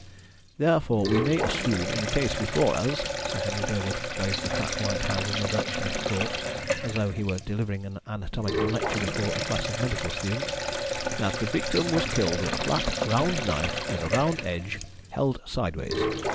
"Therefore, we may assume, in the case before us," Sir Henry Durwood waved a fat white hand in the direction of the corpse as though he were delivering an anatomical lecture before a class of medical students "that the victim was killed with a flat, round knife with a round edge, held sideways.